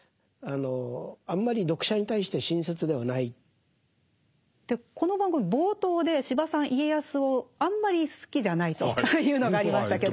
そうするとこの番組冒頭で司馬さん家康をあんまり好きじゃないというのがありましたけども。